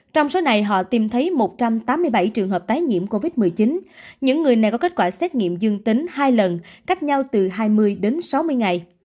trong số này họ tìm thấy một trăm tám mươi bảy trường hợp tái nhiễm covid một mươi chín những người này có kết quả xét nghiệm dương tính hai lần cách nhau từ hai mươi đến sáu mươi ngày